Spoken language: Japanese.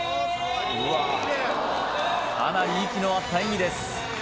かなり息の合った演技です